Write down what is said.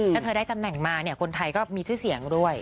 ถ้าเธอได้ตำแหน่งมาเนี่ยคนไทยก็มีชื่อเสียงด้วย